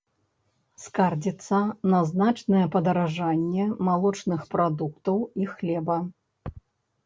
Скардзіцца на значнае падаражанне малочных прадуктаў і хлеба.